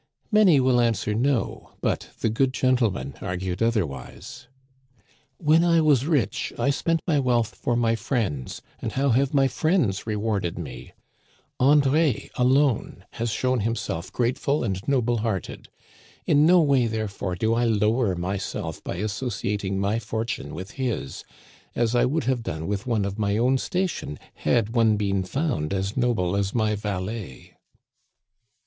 Many will answer no ; but " the good gentleman " argued otherwise. When I was rich I spent my wealth for my friends, and how have my friends rewarded me ? André, alone, has shown himself grateful and noble hearted. In no way, therefore, do I lower myself by associating my fortune with his, as I would have done with one of my own station had one been found as noble as my valet."